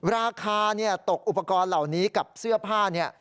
ราคาตกอุปกรณ์เหล่านี้กับเสื้อผ้าเนี่ย